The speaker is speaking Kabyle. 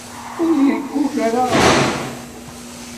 Ur yeggug ara ɣef usensu.